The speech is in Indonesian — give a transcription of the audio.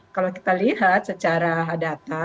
kalau kita lihat secara data